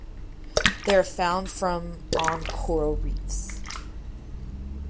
They are found from on coral reefs.